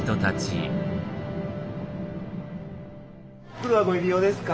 袋はご入り用ですか？